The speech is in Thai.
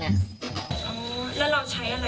อ๋อแล้วเราใช้อะไรในการ